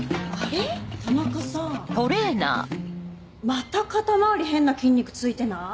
また肩周り変な筋肉付いてない？